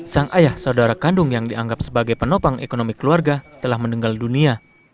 sang ayah saudara kandung yang dianggap sebagai penopang ekonomi keluarga telah meninggal dunia